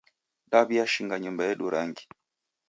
Daw'iashinga nyumba yedu rangi